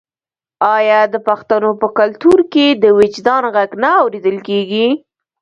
آیا د پښتنو په کلتور کې د وجدان غږ نه اوریدل کیږي؟